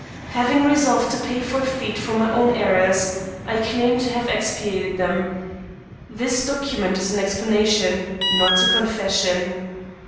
Having resolved to pay forfeit for my own errors, I claim to have expiated them. This document is an explanation, not a confession.